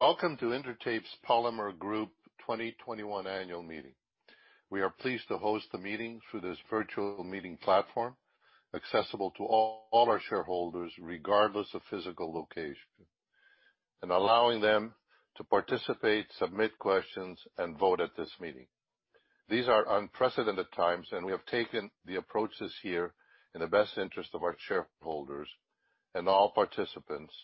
Welcome to Intertape Polymer Group 2021 Annual Meeting. We are pleased to host the meeting through this virtual meeting platform, accessible to all our shareholders, regardless of physical location, and allowing them to participate, submit questions, and vote at this meeting. These are unprecedented times, and we have taken the approaches here in the best interest of our shareholders and all participants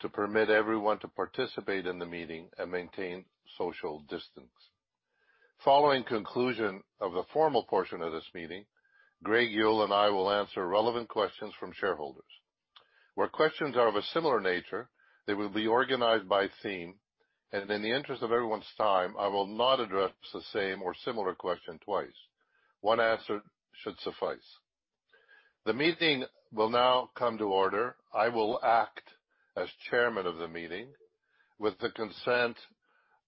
to permit everyone to participate in the meeting and maintain social distance. Following conclusion of the formal portion of this meeting, Greg Yull and I will answer relevant questions from shareholders. Where questions are of a similar nature, they will be organized by theme, and in the interest of everyone's time, I will not address the same or similar question twice. One answer should suffice. The meeting will now come to order. I will act as Chairman of the Meeting. With the consent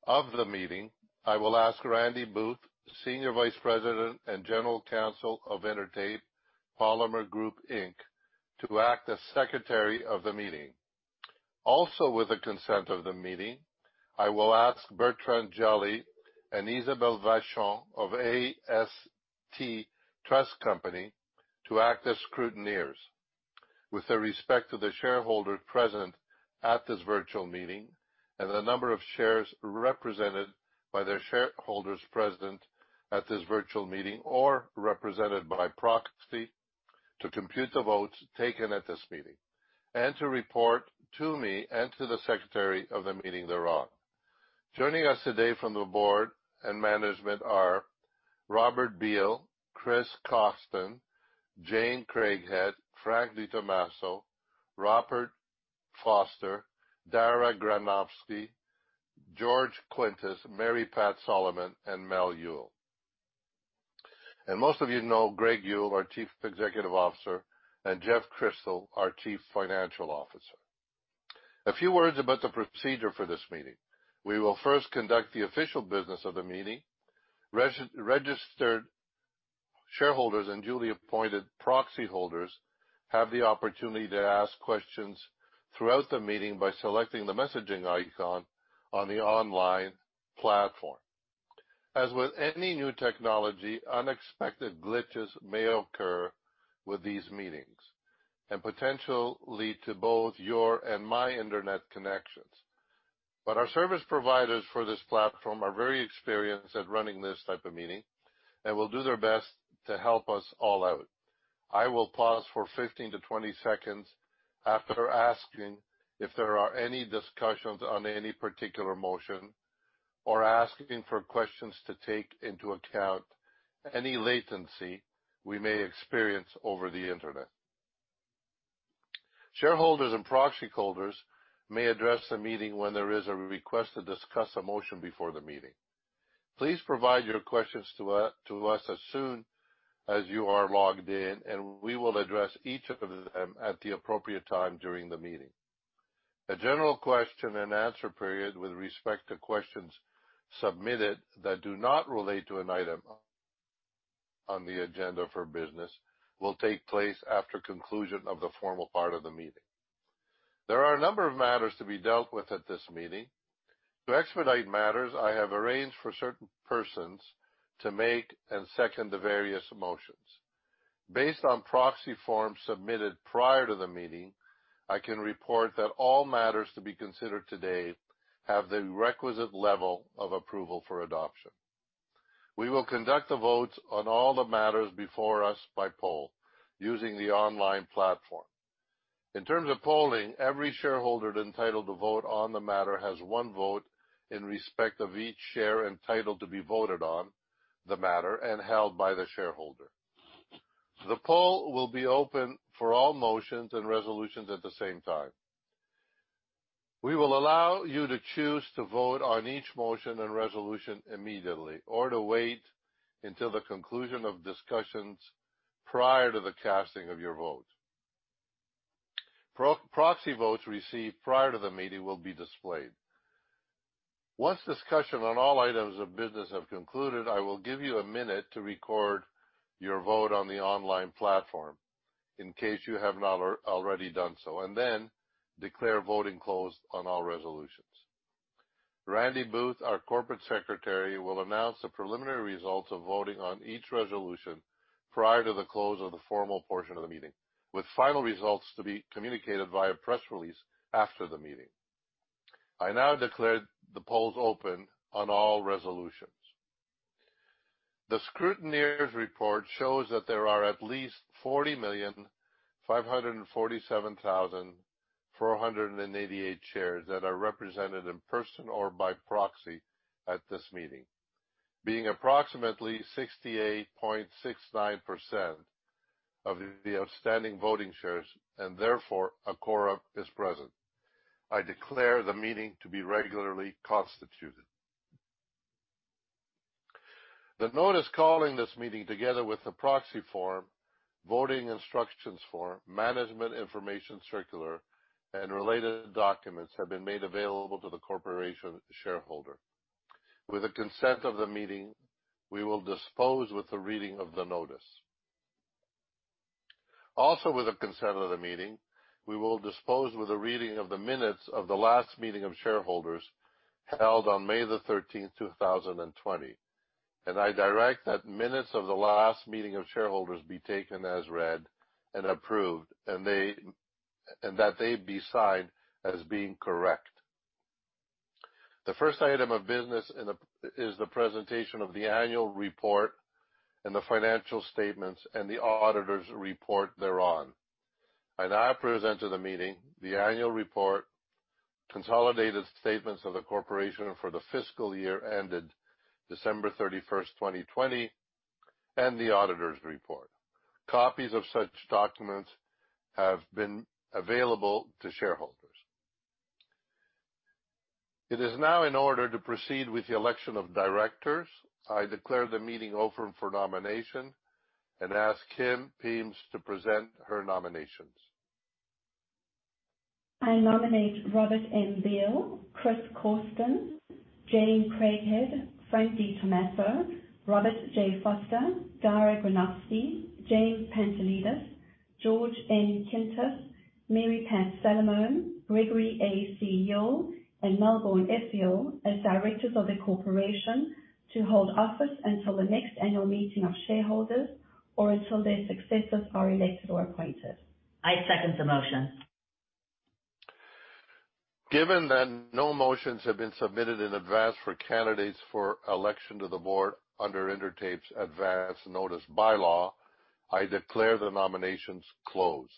of the meeting, I will ask Randi Booth, Senior Vice President and General Counsel of Intertape Polymer Group Inc., to act as Secretary of the meeting. Also, with the consent of the meeting, I will ask Bertrand Gély and Isabelle Vachon of AST Trust Company to act as Scrutineers with the respect to the shareholders present at this virtual meeting and the number of shares represented by their shareholders present at this virtual meeting or represented by proxy to compute the votes taken at this meeting and to report to me and to the secretary of the meeting thereof. Joining us today from the board and management are Robert Beil, Chris Cawston, Jane Craighead, Frank Di Tomaso, Robert Foster, Dahra Granovsky, George Koutroubis, Mary Pat Salomone, and Melbourne Yull. Most of you know Greg Yull, our Chief Executive Officer, and Jeffrey Crystal, our Chief Financial Officer. A few words about the procedure for this meeting. We will first conduct the official business of the meeting. Registered shareholders and duly appointed proxy holders have the opportunity to ask questions throughout the meeting by selecting the messaging icon on the online platform. As with any new technology, unexpected glitches may occur with these meetings and potentially to both your and my Internet connections. Our service providers for this platform are very experienced at running this type of meeting and will do their best to help us all out. I will pause for 15 to 20 seconds after asking if there are any discussions on any particular motion or asking for questions to take into account any latency we may experience over the Internet. Shareholders and proxy holders may address the meeting when there is a request to discuss a motion before the meeting. Please provide your questions to us as soon as you are logged in, and we will address each of them at the appropriate time during the meeting. A general question and answer period with respect to questions submitted that do not relate to an item on the agenda for business will take place after conclusion of the formal part of the meeting. There are a number of matters to be dealt with at this meeting. To expedite matters, I have arranged for certain persons to make and second the various motions. Based on proxy forms submitted prior to the meeting, I can report that all matters to be considered today have the requisite level of approval for adoption. We will conduct the votes on all the matters before us by poll using the online platform. In terms of polling, every shareholder entitled to vote on the matter has one vote in respect of each share entitled to be voted on the matter and held by the shareholder. The poll will be open for all motions and resolutions at the same time. We will allow you to choose to vote on each motion and resolution immediately or to wait until the conclusion of discussions prior to the casting of your vote. Proxy votes received prior to the meeting will be displayed. Once discussion on all items of business have concluded, I will give you a minute to record your vote on the online platform in case you have not already done so, and then declare voting closed on all resolutions. Randi Booth, our Corporate Secretary, will announce the preliminary results of voting on each resolution prior to the close of the formal portion of the meeting, with final results to be communicated via press release after the meeting. I now declare the polls open on all resolutions. The scrutineers report shows that there are at least 40,547,488 shares that are represented in person or by proxy at this meeting, being approximately 68.69% of the outstanding voting shares and therefore a quorum is present. I declare the meeting to be regularly constituted. The notice calling this meeting, together with the proxy form, voting instructions form, management information circular, and related documents have been made available to the corporation shareholder. With the consent of the meeting, we will dispose with the reading of the notice. Also with the consent of the meeting, we will dispose with the reading of the minutes of the last meeting of shareholders held on May 13th, 2020. I direct that minutes of the last meeting of shareholders be taken as read and approved, and that they be signed as being correct. The first item of business is the presentation of the annual report and the financial statements and the auditor's report thereon. I now present to the meeting the annual report, consolidated statements of the corporation for the fiscal year ended December 31st, 2020, and the auditor's report. Copies of such documents have been available to shareholders. It is now in order to proceed with the election of directors. I declare the meeting open for nomination and ask AST teams to present her nominations. I nominate Robert N. Beil, Chris Cawston, Jane Craighead, Frank Di Tomaso, Robert J. Foster, Dahra Granovsky, James Pantelidis, George J. Koutroubis, Mary Pat Salomone, Gregory A.C. Yull, and Melbourne S. Yull as Directors of the Corporation to hold office until the next annual meeting of shareholders or until their successors are elected or appointed. I second the motion. Given that no motions have been submitted in advance for candidates for election to the board under Intertape's advance notice bylaw, I declare the nominations closed.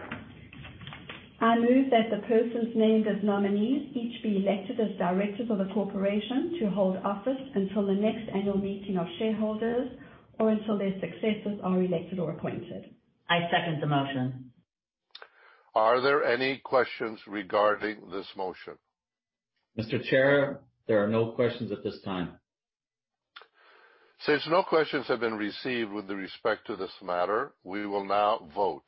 I move that the persons named as nominees each be elected as Directors of the Corporation to hold office until the next annual meeting of shareholders or until their successors are elected or appointed. I second the motion. Are there any questions regarding this motion? Mr. Chair, there are no questions at this time. Since no questions have been received with respect to this matter, we will now vote.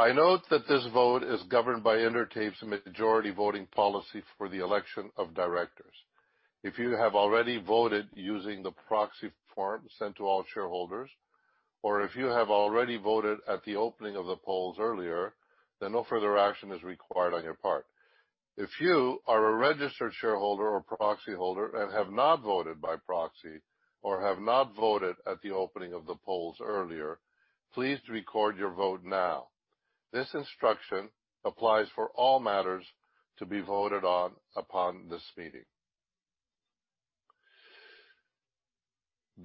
I note that this vote is governed by Intertape's majority voting policy for the election of directors. If you have already voted using the proxy form sent to all shareholders, or if you have already voted at the opening of the polls earlier, then no further action is required on your part. If you are a registered shareholder or proxy holder and have not voted by proxy or have not voted at the opening of the polls earlier, please record your vote now. This instruction applies for all matters to be voted on upon this meeting.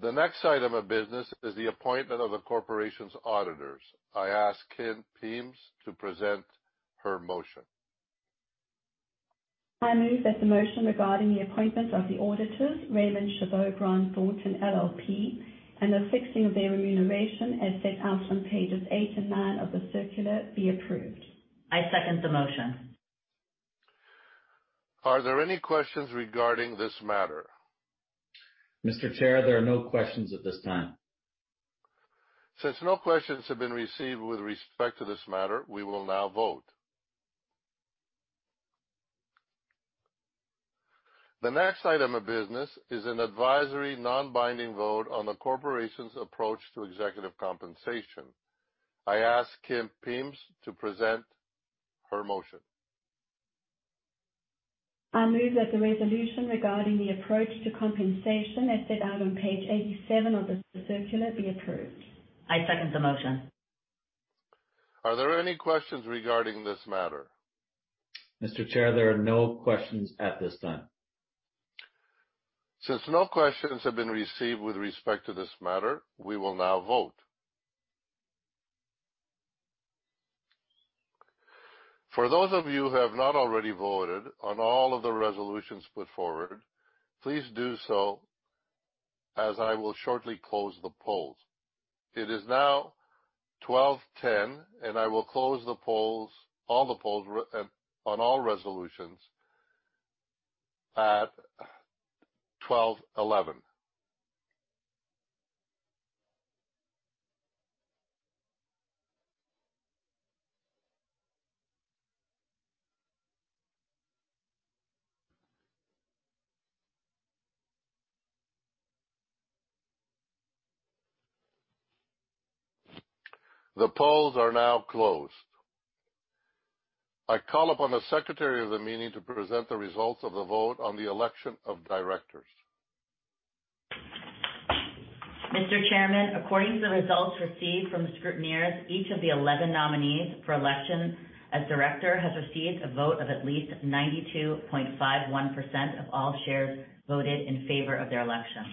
The next item of business is the appointment of the Corporation's Auditors. I ask AST team to present her motion. I move that the motion regarding the appointment of the auditors, Raymond Chabot Grant Thornton LLP, and the fixing of their remuneration, as set out on pages eight and nine of the circular, be approved. I second the motion. Are there any questions regarding this matter? Mr. Chair, there are no questions at this time. Since no questions have been received with respect to this matter, we will now vote. The next item of business is an advisory, non-binding vote on the corporation's approach to executive compensation. I ask AST team to present her motion. I move that the resolution regarding the approach to compensation, as set out on page 87 of the circular, be approved. I second the motion. Are there any questions regarding this matter? Mr. Chair, there are no questions at this time. Since no questions have been received with respect to this matter, we will now vote. For those of you who have not already voted on all of the resolutions put forward, please do so as I will shortly close the polls. It is now 12:10, and I will close the polls, all the polls on all resolutions at 12:11. The polls are now closed. I call upon the Secretary of the Meeting to present the results of the vote on the election of Directors. Mr. Chairman, according to the results received from the scrutineers, each of the 11 nominees for election of Director has received a vote of at least 92.51% of all shares voted in favor of their election.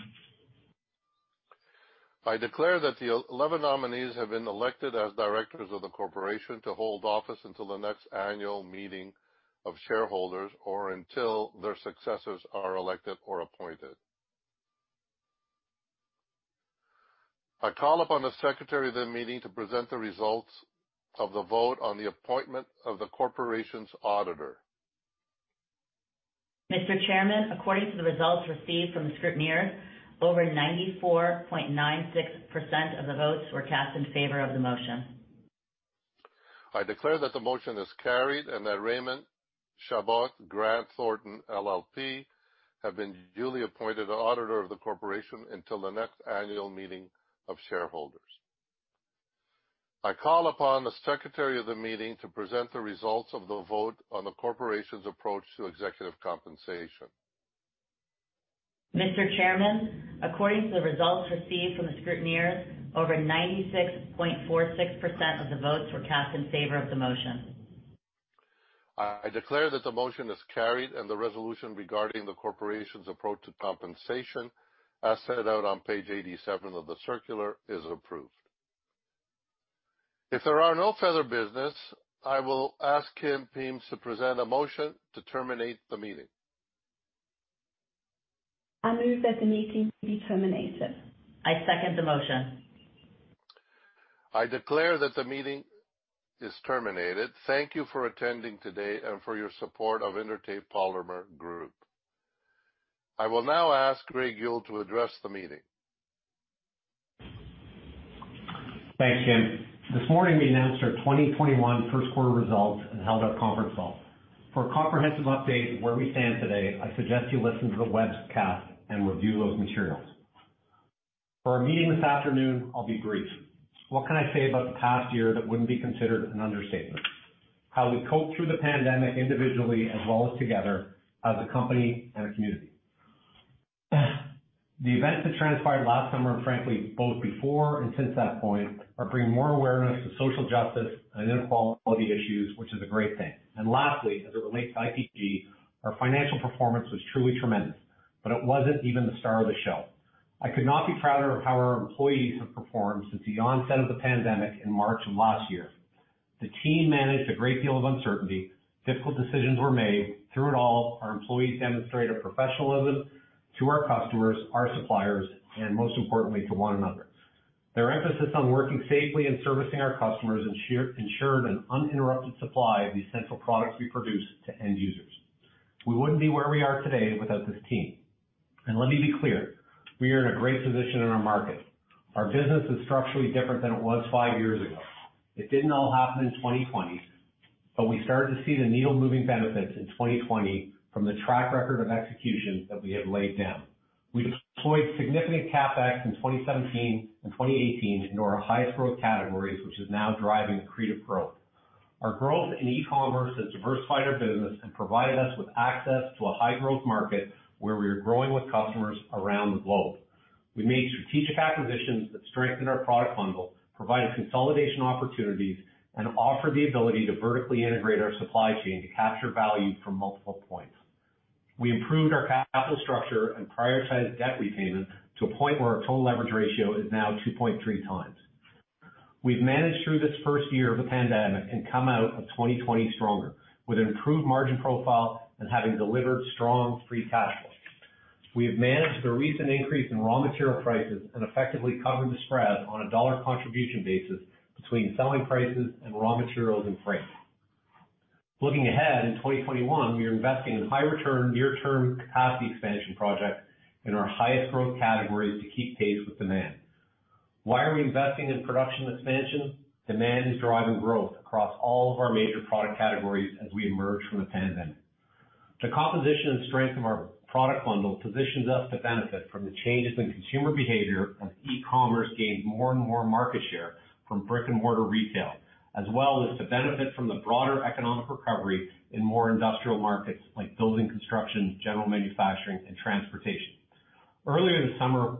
I declare that the 11 nominees have been elected as Directors of the Corporation to hold office until the next annual meeting of shareholders or until their successors are elected or appointed. I call upon the secretary of the meeting to present the results of the vote on the appointment of the Corporation's Auditor. Mr. Chairman, according to the results received from the Scrutineers, over 94.96% of the votes were cast in favor of the motion. I declare that the motion is carried and that Raymond Chabot Grant Thornton LLP have been duly appointed Auditor of the Corporation until the next annual meeting of shareholders. I call upon the secretary of the meeting to present the results of the vote on the corporation's approach to executive compensation. Mr. Chairman, according to the results received from the Scrutineers, over 96.46% of the votes were cast in favor of the motion. I declare that the motion is carried and the resolution regarding the corporation's approach to compensation, as set out on page 87 of the circular, is approved. If there are no further business, I will ask AST team to present a motion to terminate the meeting. I move that the meeting be terminated. I second the motion. I declare that the meeting is terminated. Thank you for attending today and for your support of Intertape Polymer Group. I will now ask Greg Yull to address the meeting. Thanks, James. This morning, we announced our 2021 first quarter results and held our conference call. For a comprehensive update of where we stand today, I suggest you listen to the webcast and review those materials. For our meeting this afternoon, I'll be brief. What can I say about the past year that wouldn't be considered an understatement? How we coped through the pandemic individually as well as together, as a company and a community. The events that transpired last summer, and frankly, both before and since that point, are bringing more awareness to social justice and inequality issues, which is a great thing. Lastly, as it relates to IPG, our financial performance was truly tremendous, but it wasn't even the star of the show. I could not be prouder of how our employees have performed since the onset of the pandemic in March of last year. The team managed a great deal of uncertainty. Difficult decisions were made. Through it all, our employees demonstrated professionalism to our customers, our suppliers, and most importantly, to one another. Their emphasis on working safely and servicing our customers ensured an uninterrupted supply of the essential products we produce to end users. We wouldn't be where we are today without this team. Let me be clear, we are in a great position in our market. Our business is structurally different than it was five years ago. It didn't all happen in 2020, but we started to see the needle-moving benefits in 2020 from the track record of execution that we have laid down. We deployed significant CapEx in 2017 and 2018 into our highest growth categories, which is now driving accretive growth. Our growth in e-commerce has diversified our business and provided us with access to a high-growth market, where we are growing with customers around the globe. We made strategic acquisitions that strengthened our product bundle, provided consolidation opportunities, and offered the ability to vertically integrate our supply chain to capture value from multiple points. We improved our capital structure and prioritized debt repayment to a point where our total leverage ratio is now 2.3x. We've managed through this first year of the pandemic and come out of 2020 stronger, with improved margin profile and having delivered strong free cash flow. We have managed the recent increase in raw material prices and effectively covered the spread on a dollar contribution basis between selling prices and raw materials and freight. Looking ahead, in 2021, we are investing in high return, near-term capacity expansion projects in our highest growth categories to keep pace with demand. Why are we investing in production expansion? Demand is driving growth across all of our major product categories as we emerge from the pandemic. The composition and strength of our product bundle positions us to benefit from the changes in consumer behavior as e-commerce gains more and more market share from brick-and-mortar retail, as well as to benefit from the broader economic recovery in more industrial markets like building construction, general manufacturing, and transportation. Earlier this summer,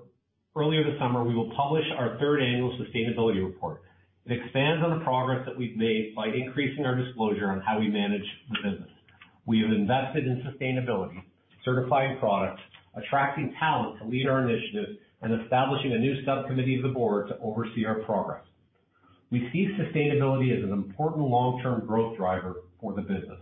we will publish our Third Annual Sustainability Report. It expands on the progress that we've made by increasing our disclosure on how we manage the business. We have invested in sustainability, certified products, attracting talent to lead our initiative, and establishing a new subcommittee of the board to oversee our progress. We see sustainability as an important long-term growth driver for the business.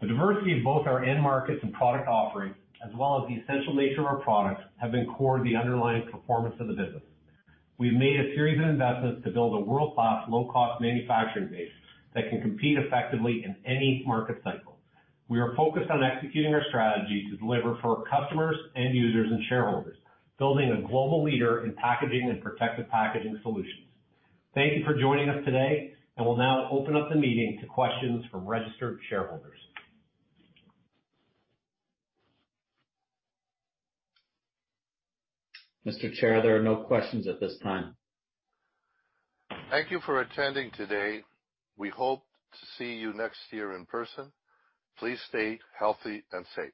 The diversity of both our end markets and product offerings, as well as the essential nature of our products, have been core to the underlying performance of the business. We have made a series of investments to build a world-class, low-cost manufacturing base that can compete effectively in any market cycle. We are focused on executing our strategy to deliver for our customers, end users, and shareholders, building a global leader in packaging and protective packaging solutions. Thank you for joining us today, and we'll now open up the meeting to questions from registered shareholders. Mr. Chair, there are no questions at this time. Thank you for attending today. We hope to see you next year in person. Please stay healthy and safe.